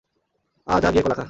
আহ, যা গিয়ে কলা খা।